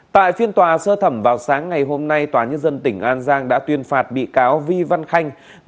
tại phiên tòa sơ thẩm vào sáng ngày hôm nay tòa nhân dân tỉnh an giang đã tuyên phạt bị cáo vi văn khanh